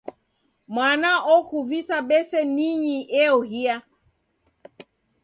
Mwana okuvisa beseninyi eoghia.